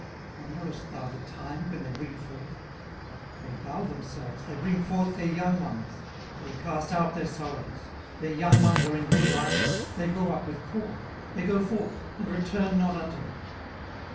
or knowest thou the time when they bring forth? 18:039:003 They bow themselves, they bring forth their young ones, they cast out their sorrows. 18:039:004 Their young ones are in good liking, they grow up with corn; they go forth, and return not unto them.